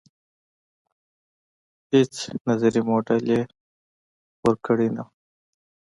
هیڅ نظري موډل یې پور کړې نه وه.